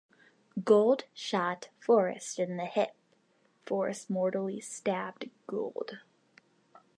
Gould shot Forrest in the hip; Forrest mortally stabbed Gould.